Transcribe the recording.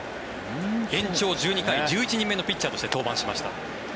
延長１２回１１人目のピッチャーとして登板しました。